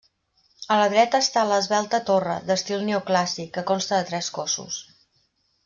A la dreta està l'esvelta torre, d'estil neoclàssic, que consta de tres cossos.